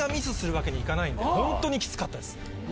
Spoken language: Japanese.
本当にきつかったです。